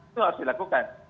itu harus dilakukan